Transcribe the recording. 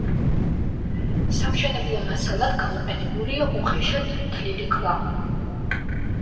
სამშენებლო მასალად გამოყენებულია უხეშად თლილი ქვა.